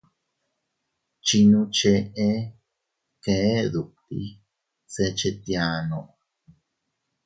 Chinno cheʼe kee dutti se chetiano.